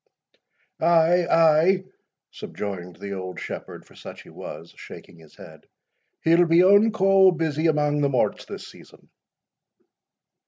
"Ay, ay," subjoined the old shepherd (for such he was), shaking his head, "he'll be unco busy amang the morts this season."